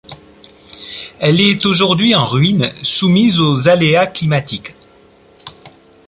Elle est aujourd'hui en ruine, soumise aux aléas climatiques.